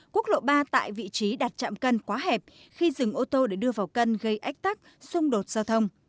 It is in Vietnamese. quốc lộ ba tại vị trí đặt trạm cân quá hẹp khi dừng ô tô để đưa vào cân gây ách tắc xung đột giao thông